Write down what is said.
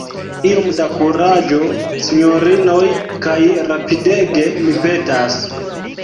Iom da kuraĝo, sinjorinoj; kaj rapidege, mi petas.